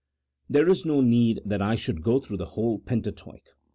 There is no need that I should go through the whole Pentateuch.